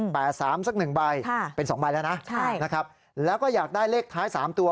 แปด๓สัก๑ใบเป็น๒ใบแล้วนะครับแล้วก็อยากได้เลขท้าย๓ตัว